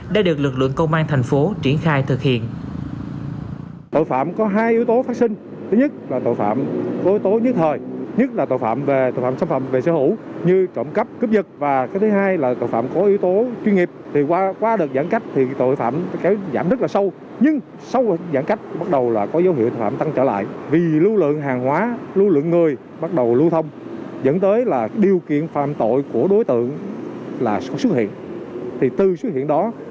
đã được lực lượng công an thành phố triển khai thực hiện